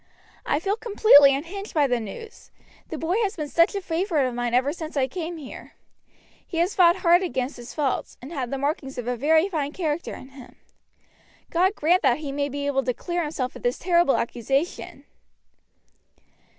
I feel completely unhinged by the news, the boy has been such a favorite of mine ever since I came here; he has fought hard against his faults, and had the makings of a very fine character in him. God grant that he may be able to clear himself of this terrible accusation!"